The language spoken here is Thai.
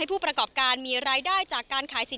ที่ผู้ประกอบการร้านค้าและเครื่องเล่นกิจกรรมทางน้ำบอกว่า